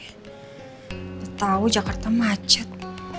gak tau jakarta macet